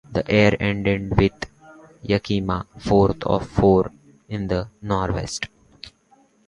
The year ended with Yakima fourth of four in the Northwest.